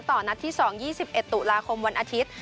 นัดที่๒๒๑ตุลาคมวันอาทิตย์